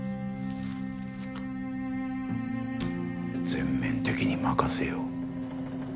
全面的に任せよう。